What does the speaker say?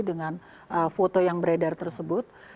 dengan foto yang beredar tersebut